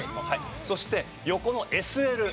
そして横の「ＳＬ」。